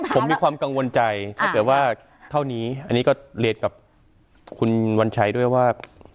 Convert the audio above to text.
ผมมีความกังวลใจถ้าเกิดว่าเท่านี้อันนี้ก็เรียนกับคุณวัญชัยด้วยว่า